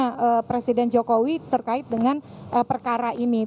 pernyataan presiden jokowi terkait dengan perkara ini